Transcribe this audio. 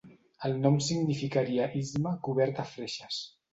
El nom significaria istme cobert de freixes.